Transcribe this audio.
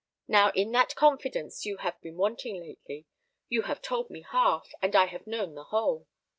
Now, in that confidence you have been wanting lately. You have told me half, and I have known the whole.